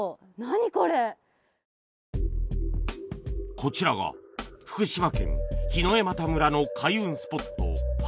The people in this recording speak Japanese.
こちらが福島県檜枝岐村の開運スポット